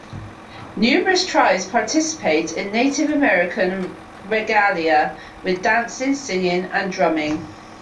Numerous tribes participate in Native American regalia with dancing, singing and drumming.